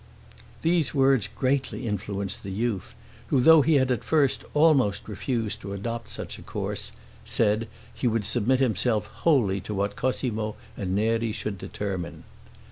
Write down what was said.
These words greatly influenced the youth, who, though he had at first almost refused to adopt such a course, said, he would submit himself wholly to what Cosmo and Neri should determine.